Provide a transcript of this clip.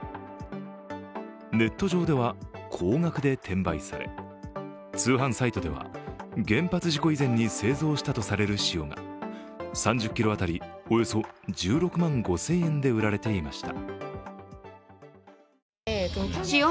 ネット上では高額で転売され通販サイトでは原発事故以前に製造したとされる塩が３０ｋｇ当たりおよそ１６万５０００円で売られていました。